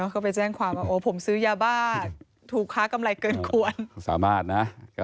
ก็ไปแจ้งความว่าโอ้ผมซื้อยาบ้าถูกค้ากำไรเกินควรสามารถนะ